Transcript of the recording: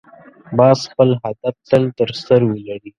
باز خپل هدف تل تر سترګو لري